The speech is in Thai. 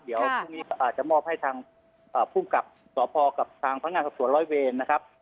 เดี๋ยวพรุ่งนี้จะมอบให้ทางผู้กับสภกับทางพันธ์งานศักดิ์ส่วนร้อยเวรนะครับ